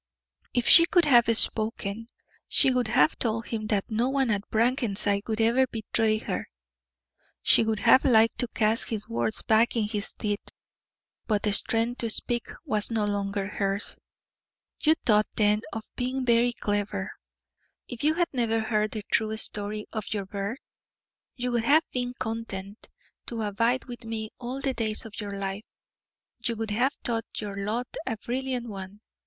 If she could have spoken, she would have told him that no one at Brackenside would ever betray her; she would have liked to cast his words back in his teeth, but the strength to speak was no longer hers. "You thought then of being very clever. If you had never heard the true story of your birth, you would have been content to abide with me all the days of your life you would have thought your lot a brilliant one.